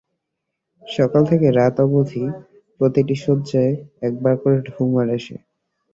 সকাল থেকে রাত অবধি প্রতিটি শয্যায় একবার করে ঢুঁ মারে সে।